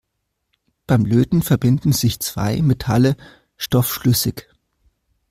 Beim Löten verbinden sich zwei Metalle stoffschlüssig.